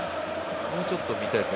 もうちょっと見たいですね。